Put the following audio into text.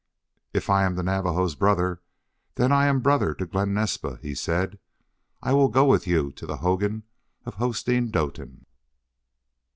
"If I am the Navajo's brother, then I am brother to Glen Naspa," he said. "I will go with you to the hogan of Hosteen Doetin."